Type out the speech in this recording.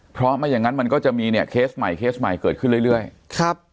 เพราะไม่อย่างนั้นมันก็จะมีเนี่ยเคสใหม่เคสใหม่เกิดขึ้นเรื่อยเรื่อยครับ